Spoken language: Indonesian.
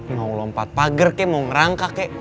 mau lompat pagar kek mau ngerangka kek